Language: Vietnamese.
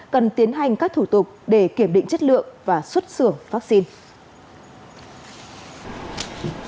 cần tiến hành các thủ tục để kiểm định chất lượng và xuất xưởng vaccine